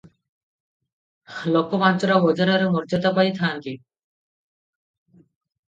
ଲୋକ ପାଞ୍ଚଟା ବଜାରରେ ମର୍ଯ୍ୟାଦା ପାଇ ଥାଅନ୍ତି ।